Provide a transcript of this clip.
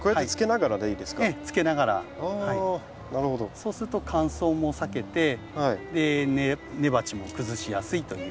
そうすると乾燥も避けて根鉢も崩しやすいという。